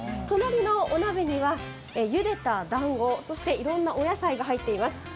隣のお鍋にはゆでただんごいろんなお野菜が入っています。